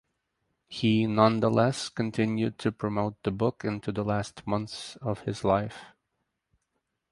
He nonetheless continued to promote the book into the last months of his life.